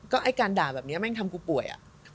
ไอ้การด่าแบบนี้แม่งทำกูป่วย